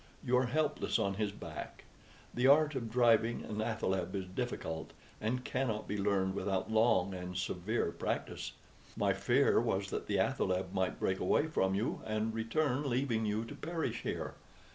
You are helpless on his back. The art of driving an athaleb is difficult, and cannot be learned without long and severe practice. My fear was that the athaleb might break away from you and return, leaving you to perish here.